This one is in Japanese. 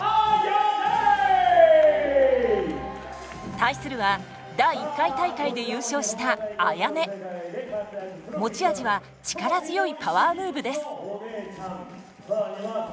対するは第１回大会で優勝した持ち味は力強いパワームーブです。